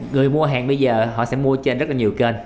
người mua hàng bây giờ họ sẽ mua trên rất là nhiều kênh